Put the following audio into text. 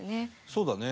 そうだね。